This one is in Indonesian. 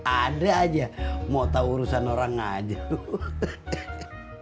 ada aja mau tahu urusan orang aja